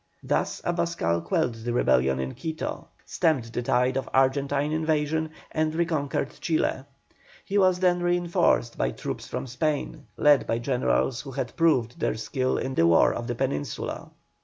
Thus Abascal quelled the rebellion in Quito, stemmed the tide of Argentine invasion, and reconquered Chile. He was then reinforced by troops from Spain, led by generals who had proved their skill in the War of the Peninsula.